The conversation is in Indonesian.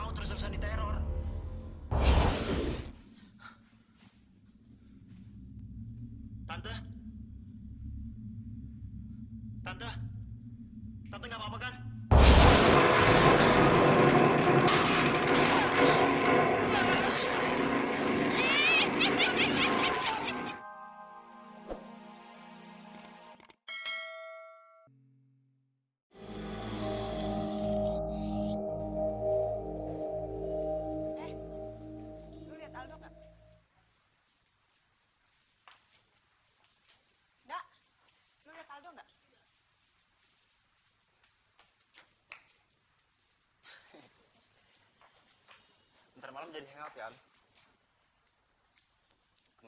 tante tidak bisa membantu kalian di pijak